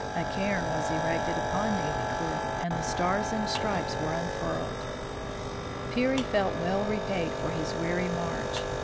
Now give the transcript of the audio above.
A cairn was erected upon Navy cliff, and the stars and stripes was unfurled. Peary felt well repaid for his weary march.